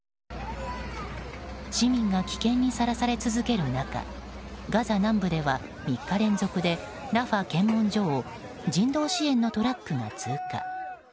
市民が危険にさらされ続ける中ガザ南部では３日連続でラファ検問所を人道支援のトラックが通過。